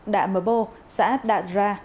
đạ mơ bô xã đạt ra